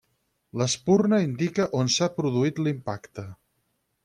L'espurna indica on s'ha produït l'impacte.